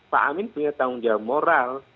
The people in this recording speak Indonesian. pak amin punya tanggung jawab moral